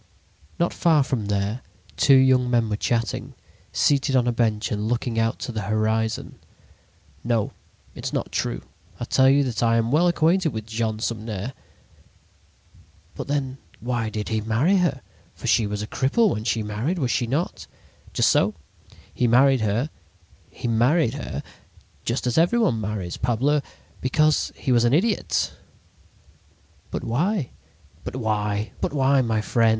Not far from there, two young men were chatting, seated on a bench and looking out into the horizon. "No, it is not true; I tell you that I am well acquainted with Jean Sumner." "But then, why did he marry her? For she was a cripple when she married, was she not?" "Just so. He married her—he married her—just as every one marries, parbleu! because he was an idiot!" "But why?" "But why—but why, my friend?